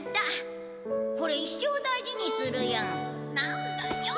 これ一生大事にするよ。